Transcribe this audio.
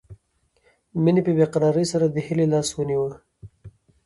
مينې په بې قرارۍ سره د هيلې لاس وښوراوه